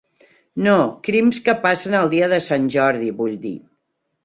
No, crims que passen el dia de Sant Jordi, vull dir.